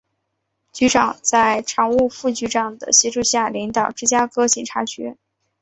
局长在常务副局长的协助下领导芝加哥警察局。